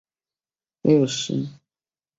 享年六十岁。